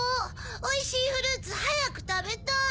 おいしいフルーツはやくたべたい！